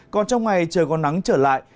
còn trong ngày trời còn nắng trở lại